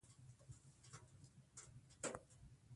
پنېر له شيدو جوړېږي.